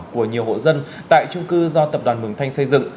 bộ dân tại trung cư do tập đoàn mường thanh xây dựng